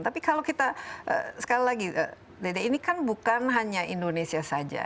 tapi kalau kita sekali lagi dede ini kan bukan hanya indonesia saja